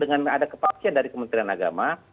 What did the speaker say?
ada kepaksian dari kementerian agama